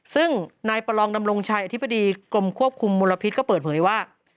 ซึ่งนายประลองดำรงชัยอธิบดีกรมควบคุมมลพิษก็เปิดเผยว่า